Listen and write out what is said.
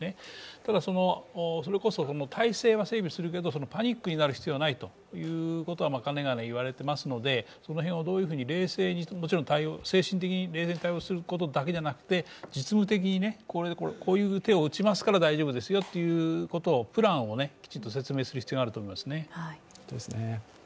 ただそれこそ体制は整備するけれどもパニックになる必要はないとかねがね言われていますので、そのへんをどういうふうに精神的に冷静に対応することだけじゃなくて、実務的にこういう手を打ちますから大丈夫ですよというプランをきちんと説明する必要があると思いますね。